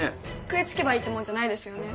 食いつけばいいってもんじゃないですよね？